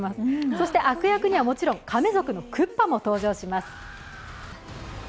そして悪役には、もちろんカメ族のクッパも登場します。